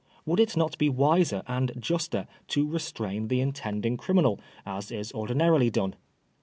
Would it not be wiser and juster to restrain the intending criminal, as is ordinarily done